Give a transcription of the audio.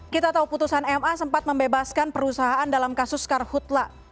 kita tahu putusan ema sempat membebaskan perusahaan dalam kasus skarhutla